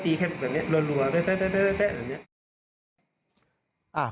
แต่เราผมก็ตีแค่แบบนี้รัวแบบนี้